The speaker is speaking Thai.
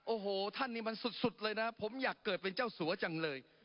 โอ้โหท่านนี่มันสุดเลยนะผมอยากเกิดเป็นเจ้าสัวจังเลย